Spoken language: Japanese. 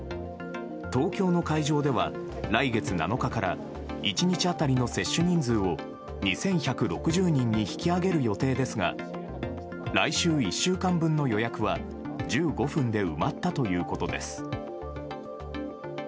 東京の会場では来月７日から１日当たりの接種人数を２１６０人に引き上げる予定ですが来週１週間分の予約は１５分で埋まったということです。